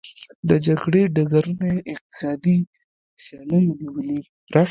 د جګړې ډګرونه یې اقتصادي سیالیو نیولي.